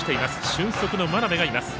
俊足の眞邉がいます。